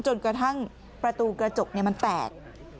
จนกระทั่งประตูกระจกมันแตก